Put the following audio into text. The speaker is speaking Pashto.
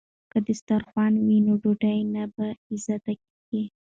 که دسترخوان وي نو ډوډۍ نه بې عزته کیږي.